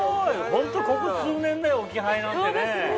ホントここ数年だよ置き配なんてね。